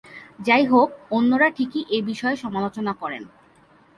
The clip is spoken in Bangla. যাই হোক, অন্যরা ঠিকই এ বিষয়ে সমালোচনা করেন।